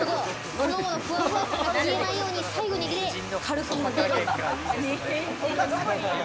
卵のふわふわ感が消えないように最後に軽く。